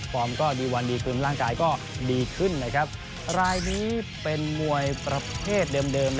ก็ดีวันดีคืนร่างกายก็ดีขึ้นรายนี้เป็นมวยประเภทเดิม